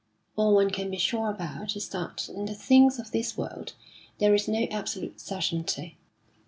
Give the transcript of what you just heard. All one can be sure about is that in the things of this world there is no absolute certainty.